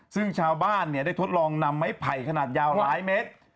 ซึ่งชาวบ้านได้ทดลองนำไม้ไผ่ขนาดยาวหลายเมตร